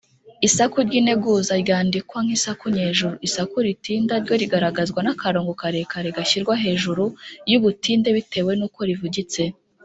Isaku ry’integuza ryandikwa nk’isaku nyejuru. Isaku ritinda ryo rigaragazwa n’akarongo karekare gashyirwa hejuru y’ubutinde bitewe n’uko rivugitse.